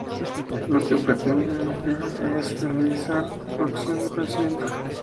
Lo que pretende la epistemología es analizar la producción del conocimiento.